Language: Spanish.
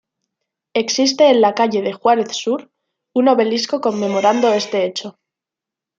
Existe en la calle de Juárez sur, un obelisco conmemorando este hecho.